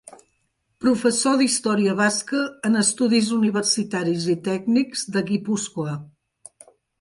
Professor d'Història Basca en Estudis Universitaris i Tècnics de Guipúscoa.